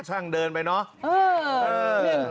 ช่างเดินไปเนอะ